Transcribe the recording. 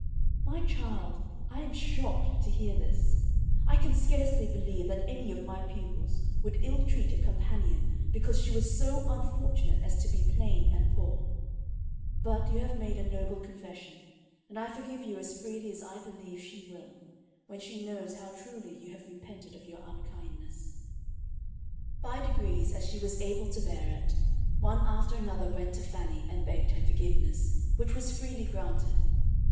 "My child, I am shocked to hear this. I can scarcely believe that any of my pupils would ill treat a companion because she was so unfortunate as to be plain and poor. But you have made a noble confession, and I forgive you as freely as I believe she will, when she knows how truly you have repented of your unkindness." By degrees, as she was able to bear it, one after another went to Fannie and begged her forgiveness, which was freely granted.